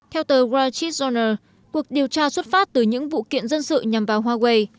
theo tờ wall street journal cuộc điều tra xuất phát từ những vụ kiện dân sự nhằm vào huawei